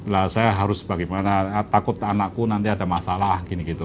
lah saya harus bagaimana takut anakku nanti ada masalah